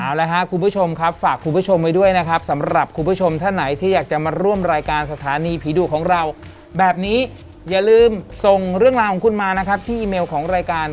เอาละครับคุณผู้ชมครับฝากคุณผู้ชมไว้ด้วยนะครับสำหรับคุณผู้ชมท่านไหนที่อยากจะมาร่วมรายการสถานีผีดุของเราแบบนี้อย่าลืมส่งเรื่องราวของคุณมานะครับที่อีเมลของรายการ